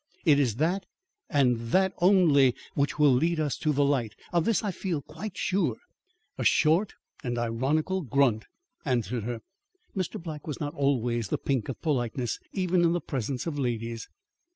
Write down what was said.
It is that and that only which will lead us to the light. Of this I feel quite sure." A short and ironical grunt answered her. Mr. Black was not always the pink of politeness even in the presence of ladies.